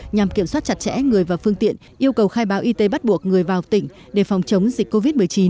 nhằm kiểm soát chặt chẽ người và phương tiện yêu cầu khai báo y tế bắt buộc người vào tỉnh để phòng chống dịch covid một mươi chín